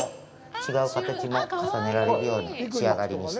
違う形も重ねられる仕上がりにしてます。